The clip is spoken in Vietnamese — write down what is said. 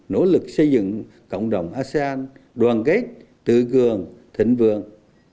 nỗ lực xây dựng cộng đồng asean đoàn kết tự cường thịnh vượng